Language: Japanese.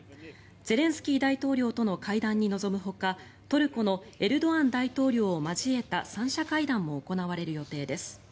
ゼレンスキー大統領との会談に臨むほかトルコのエルドアン大統領を交えた３者会談も行われる予定です。